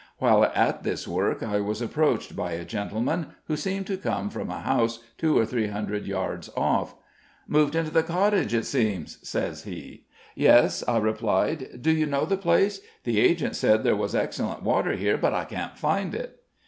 While at this work, I was approached by a gentleman, who seemed to come from a house two or three hundred yards off. "Moved into the cottage, it seems," said he. "Yes," I replied. "Do you know the place? The agent said there was excellent water here, but I can't find it."